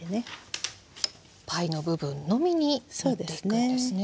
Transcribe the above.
パイの部分のみに塗っていくんですね。